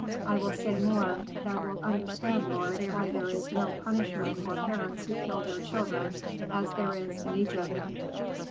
I will say more: thou wilt understand, lord, why there is no punishment for parents who kill their children, as there is in Egypt."